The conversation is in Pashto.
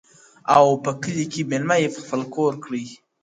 • او په کلي کي مېلمه یې پر خپل کور کړي,